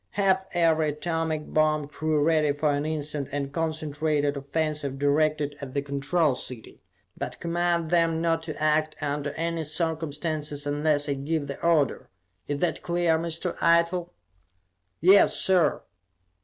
Have every atomic bomb crew ready for an instant and concentrated offensive directed at the Control City, but command them not to act under any circumstances unless I give the order. Is that clear, Mr. Eitel?" "Yes, sir!"